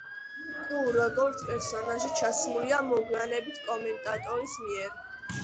კუ, როგორც პერსონაჟი, ჩასმულია მოგვიანებით კომენტატორის მიერ.